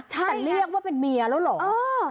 แต่เรียกว่าเป็นเมียแล้วเหรอ